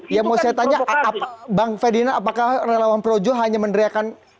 yang mau saya tanya bang ferdinand apakah relawan projo hanya meneriakan